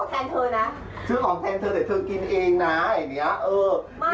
ฉันจะทำเพื่อทุกคนน่ะฉันจะเทหมดกระเป๋าอ่ะเธอจะเอาเท่าไหร่เธอบอกไป